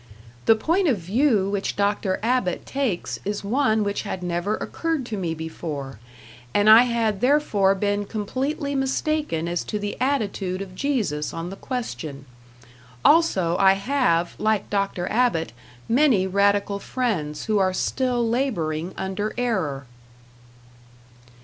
The point of view which Dr. Abbott takes is one which had never occurred to me before, and I had therefore been completely mistaken as to the attitude of Jesus on the question. Also I have, like Dr. Abbott, many radical friends who are still laboring under error.